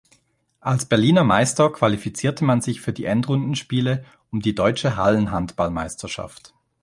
Als Berliner Meister qualifizierte man sich für die Endrundenspiele um die deutsche Hallenhandball-Meisterschaft.